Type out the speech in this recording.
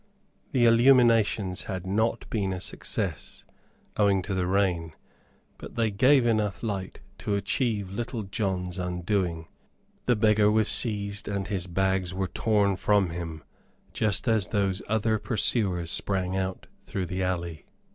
The illuminations had not been a success, owing to the rain, but they gave enough light to achieve Little John's undoing. The beggar was seized and his bags were torn from him, just as those other pursuers sprang out through the alley.